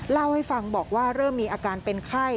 เล่าให้ฟังบอกว่าเริ่มมีอาการเป็นไข้